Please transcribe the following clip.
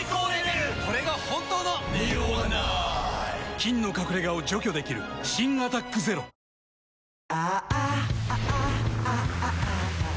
菌の隠れ家を除去できる新「アタックＺＥＲＯ」「キュレル」